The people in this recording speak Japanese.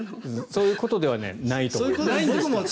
そういうことではないと思います。